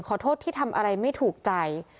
ขอโทษที่ทำอะไรไม่ถูกใจ